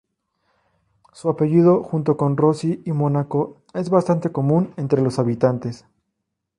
Su apellido, junto con Rossi y Mónaco, es bastante común entre los habitantes.